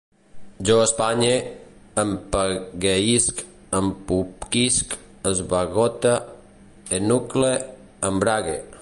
Jo espanye, empegueïsc, empoquisc, esbagote, enuclee, embrague